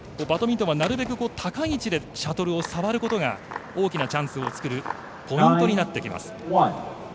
高い位置でシャトルを触ることが大きなチャンスを作るポイントになってきます。